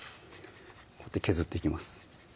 こうやって削っていきます